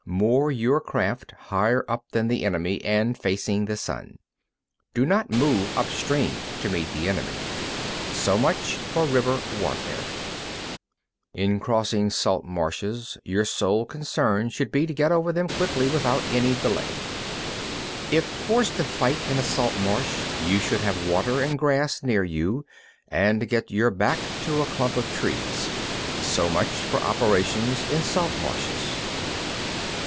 6. Moor your craft higher up than the enemy, and facing the sun. Do not move up stream to meet the enemy. So much for river warfare. 7. In crossing salt marshes, your sole concern should be to get over them quickly, without any delay. 8. If forced to fight in a salt marsh, you should have water and grass near you, and get your back to a clump of trees. So much for operations in salt marshes.